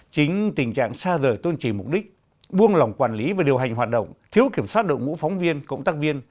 chính tình trạng xa rời tôn trì mục đích buông lỏng quản lý và điều hành hoạt động thiếu kiểm soát đội ngũ phóng viên công tác viên